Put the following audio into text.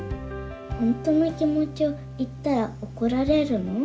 本当の気もちをいったらおこられるの？」。